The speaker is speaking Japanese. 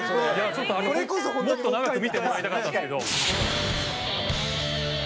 ちょっともっと長く見てもらいたかったんですけど。